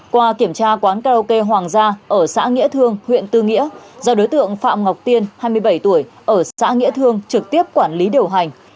qua kiểm tra quán karaoke hoàng gia ở xã nghĩa thương huyện tư nghĩa do đối tượng phạm ngọc tiên hai mươi bảy tuổi ở xã nghĩa thương trực tiếp quản lý điều hành